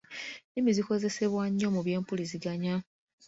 Ennimi zikozesebwa nnyo mu byempuliziganya.